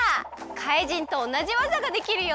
怪人とおなじわざができるよ！